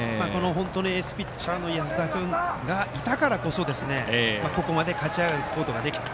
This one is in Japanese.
エースピッチャーの安田君がいたからこそここまで勝ち上がることができた。